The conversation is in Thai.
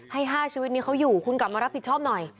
ให้๕ชีวิตนี้เขาอยู่คุณกลับมารับผิดชอบหน่อย